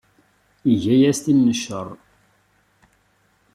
Iga aya s tin n cceṛ.